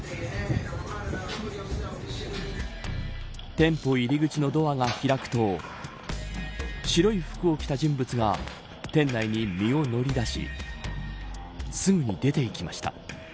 店舗入り口のドアが開くと白い服を着た人物が店内に身を乗り出しすぐに出て行きました。